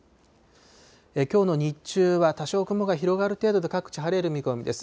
きょうの日中は多少雲が広がる程度で、各地晴れる見込みです。